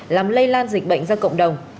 làm lây lan dịch bệnh ra cộng đồng